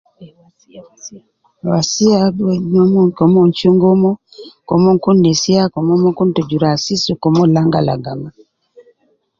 Wasiya al ana gi wedi nomon komon chunga omon, komon kun nesiya, komon ma kun te juru asisi ,komon langa langa ma